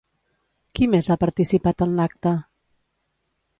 Qui més ha participat en l'acte?